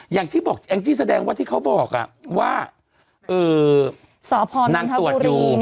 อย่างที่บอกแองจี้แสดงว่าที่เขาบอกว่าสพนางตรวจอยู่